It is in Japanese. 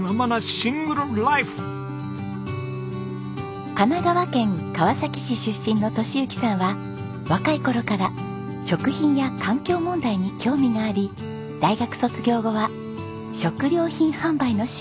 神奈川県川崎市出身の敏之さんは若い頃から食品や環境問題に興味があり大学卒業後は食料品販売の仕事に就きました。